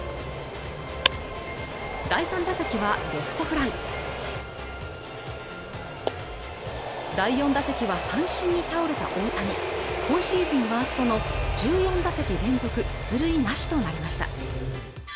第３打席はレフトフライ第４打席は三振に倒れた大谷今シーズンワーストの１４打席連続出塁なしとなりました